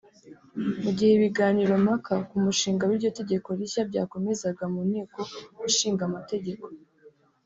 Mugihe ibiganiro mpaka ku mushinga w’iryo tegeko rishya byakomezaga mu Nteko Ishinga Amategeko